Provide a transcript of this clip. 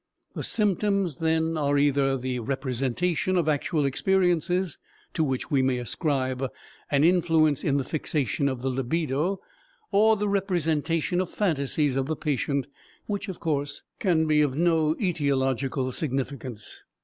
The symptoms then are either the representation of actual experiences to which we may ascribe an influence in the fixation of the libido, or the representation of phantasies of the patient which, of course, can be of no etiological significance.